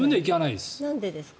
なんでですか？